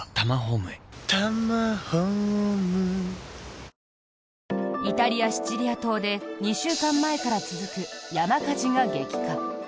明治おいしい牛乳イタリア・シチリア島で２週間前から続く山火事が激化。